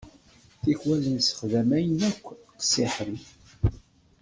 Tikwal nessexdam ayen akk qessiḥen.